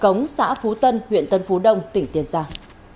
cống xã phú tân huyện tân phú đông tỉnh tiền giang